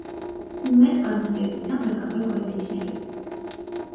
«Հումմեթ» կազմակերպության ղեկավար գործիչներից։